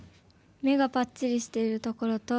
目がぱっちりしているところと。